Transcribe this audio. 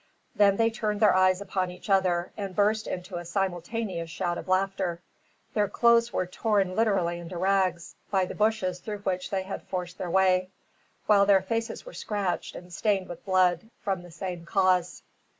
Then they turned their eyes upon each other, and burst into a simultaneous shout of laughter. Their clothes were torn literally into rags, by the bushes through which they had forced their way; while their faces were scratched, and stained with blood, from the same cause.